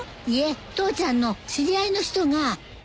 いえ父ちゃんの知り合いの人が。